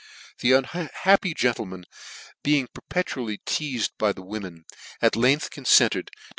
The unhappy gentleman, being perpetually teazed by the women, at length confented to.